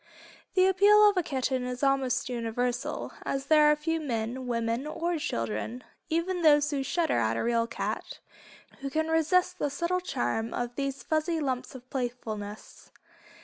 The appeal of the kitten is almost universal, as there are few men, women or children, even those who "shudder" at a real cat, who can resist the subtle charm of these fuzzy lumps of playfulness.